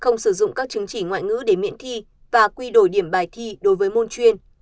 không sử dụng các chứng chỉ ngoại ngữ để miễn thi và quy đổi điểm bài thi đối với môn chuyên